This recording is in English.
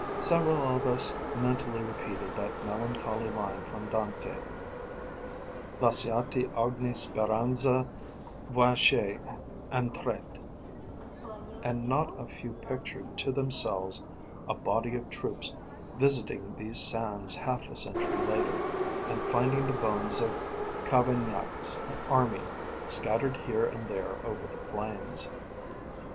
Several of us mentally repeated that melancholy line from Dante Lasciate ogni speranza voi che entrate; and not a few pictured to themselves a body of troops visiting these sands half a century later, and finding the bones of Cavaignac's army scattered here and there over the plains.